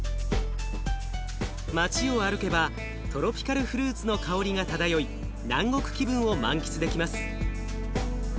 街を歩けばトロピカルフルーツの香りが漂い南国気分を満喫できます。